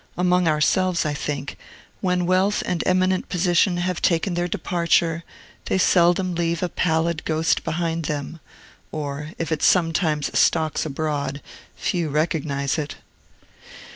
Among ourselves, I think, when wealth and eminent position have taken their departure, they seldom leave a pallid ghost behind them, or, if it sometimes stalks abroad, few recognize it.